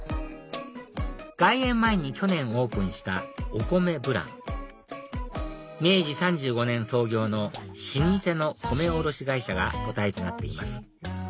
外苑前に去年オープンしたおこめぶらん明治３５年創業の老舗の米卸会社が母体となっています